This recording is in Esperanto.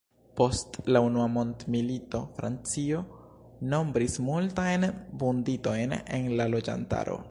Post la unua mondmilito, Francio nombris multajn vunditojn en la loĝantaro.